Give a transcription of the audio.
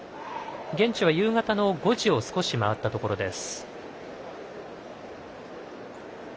現地は夕方の５時を少し回ったところです。